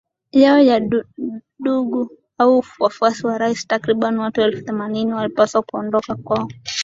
yao kwa ndugu au wafuasi wa rais Takribani watu elfu themanini walipaswa kuondoka kwao